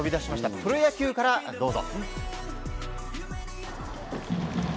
プロ野球からどうぞ。